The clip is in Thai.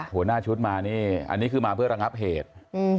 หัวหน้าชุดมานี่อันนี้คือมาเพื่อระงับเหตุ